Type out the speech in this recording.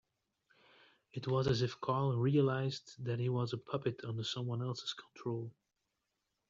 It was as if Carl realised that he was a puppet under someone else's control.